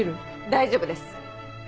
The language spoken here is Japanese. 大丈夫です！